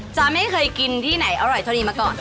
จะไม่เคยกินที่ไหนอร่อยเท่านี้มาก่อน